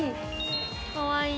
かわいい。